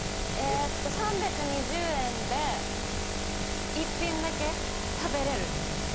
３２０円で１品だけ食べれる。